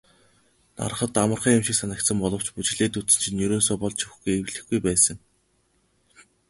Hарахад амархан юм шиг санагдсан боловч бүжиглээд үзсэн чинь ерөөсөө болж өгөхгүй эвлэхгүй байсан.